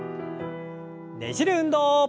ねじる運動。